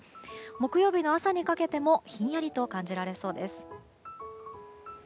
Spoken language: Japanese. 木曜日の朝にかけてもひんやりと感じられそうです。